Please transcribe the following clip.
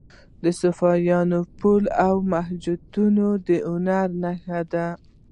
د اصفهان پل او جوماتونه د هنر نښه دي.